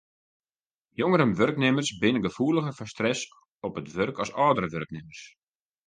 Jongere wurknimmers binne gefoeliger foar stress op it wurk as âldere wurknimmers.